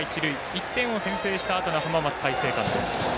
１点を先制したあとの浜松開誠館です。